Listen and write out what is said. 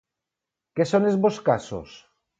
Què són els Boscassos?